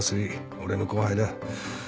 俺の後輩だ。